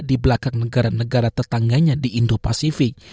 di belakang negara negara tetangganya di indo pasifik